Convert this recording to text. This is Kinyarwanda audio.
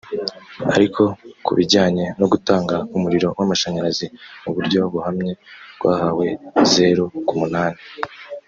ariko ku bijyanye no gutanga umuriro w’amashanyarazi mu buryo buhamye rwahawe zeru ku munani